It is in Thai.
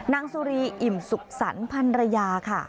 นางสุรีอิ่มสุขสรรค์พันรยาค่ะ